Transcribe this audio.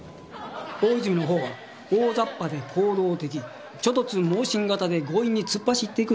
大泉のほうは大ざっぱで行動的猪突猛進型で強引に突っ走っていくタイプ。